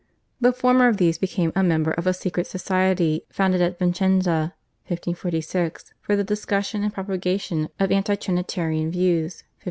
The former of these became a member of a secret society founded at Vicenza (1546) for the discussion and propagation of anti Trinitarian views (1546).